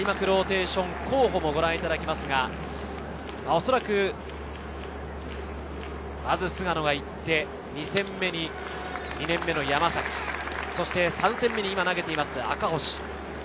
ローテーション候補もご覧いただきますが、まず菅野が行って、２戦目に２年目の山崎、３戦目に今投げています、赤星。